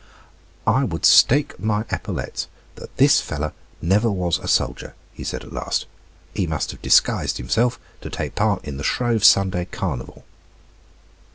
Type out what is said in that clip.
"I would stake my epaulets that this fellow never was a soldier," he said at last. "He must have disguised himself to take part in the Shrove Sunday carnival."